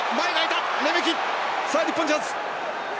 日本、チャンス。